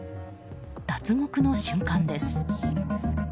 脱獄の瞬間です。